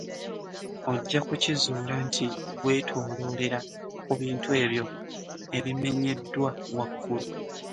Ojja kukizuula nti gwetoloolera ku bintu ebyo ebimenyeddwa waggulu.